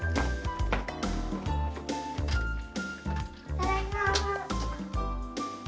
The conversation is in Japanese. ただいま。